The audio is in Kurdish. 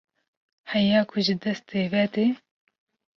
heya ku ji destê we tê